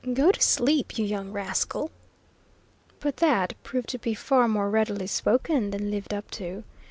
Go to sleep, you young rascal!" But that proved to be far more readily spoken than lived up to.